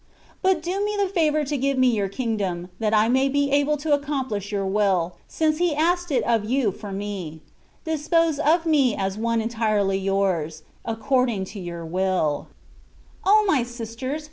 But do me the favour to give me Your Kingdom, that I may be able to accomplish Your will, since He asked it of You for me; dispose of me as one entirely Yours, according to Your wilL O my sisters